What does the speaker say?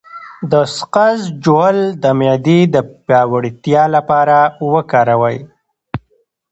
د سقز ژوول د معدې د پیاوړتیا لپاره وکاروئ